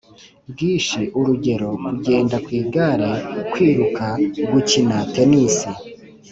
Bwinshi urugero kugenda ku igare kwiruka gukina tenisi